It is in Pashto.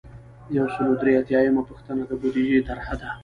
یو سل او درې اتیایمه پوښتنه د بودیجې طرحه ده.